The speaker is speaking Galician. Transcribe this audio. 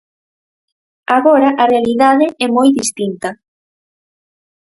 Agora a realidade é moi distinta.